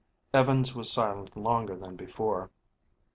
Evans was silent longer than before.